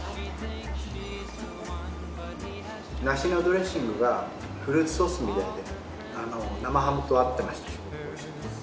梨のドレッシングがフルーツソースみたいで生ハムと合ってました。